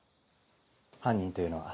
犯人というのは？